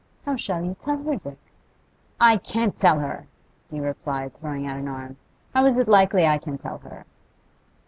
'How shall you tell her, Dick?' 'I can't tell her!' he replied, throwing out an arm. 'How is it likely I can tell her?